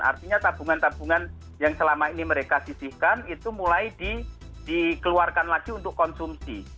artinya tabungan tabungan yang selama ini mereka sisihkan itu mulai dikeluarkan lagi untuk konsumsi